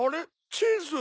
チーズ？